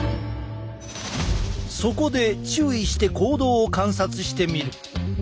そこで注意して行動を観察してみる。